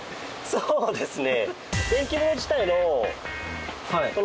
そうですね。